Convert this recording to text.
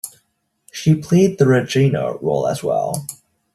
She played the Regina role as well.